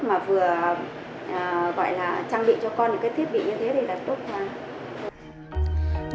mà vừa gọi là trang bị cho con được cái thiết bị như thế thì là tốt quá